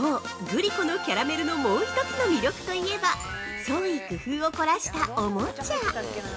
グリコのキャラメルのもう一つの魅力といえば創意工夫を凝らしたおもちゃ。